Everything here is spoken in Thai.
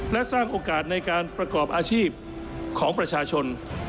และสร้างโอกาสในการประกอบอาชีพของประชาชน